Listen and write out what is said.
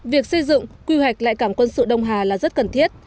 việc xây dựng quy hoạch lại cảng quân sự đông hà là rất cần thiết